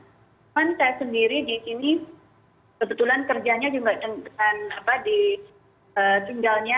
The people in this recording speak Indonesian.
cuman saya sendiri di sini kebetulan kerjanya juga dengan apa di tinggalnya